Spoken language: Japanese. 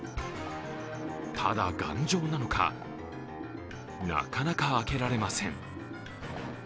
ただ頑丈なのか、なかなか開けられません。